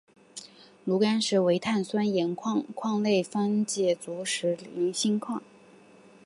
炉甘石为碳酸盐类矿物方解石族菱锌矿。